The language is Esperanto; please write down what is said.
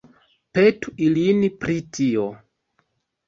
Petu ilin pri tio.